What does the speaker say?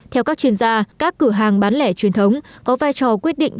theo các chuyên gia các cửa hàng bán lẻ truyền thống có vai trò quyết định